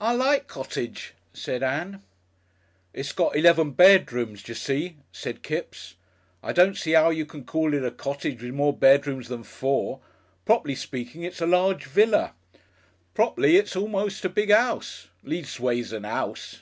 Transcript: "I like cottage," said Ann. "It's got eleven bedrooms, d'see," said Kipps. "I don't see 'ow you can call it a cottage with more bedrooms than four. Prop'ly speaking, it's a Large Villa. Prop'ly, it's almost a Big 'Ouse. Leastways a 'Ouse."